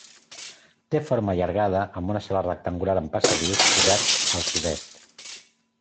Té forma allargada, amb una sala rectangular en passadís obert al sud-est.